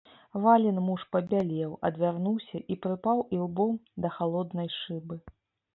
Валін муж пабялеў, адвярнуўся і прыпаў ілбом да халоднай шыбы.